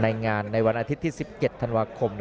ในงานในวันอาทิตย์ที่๑๗ธันวาคม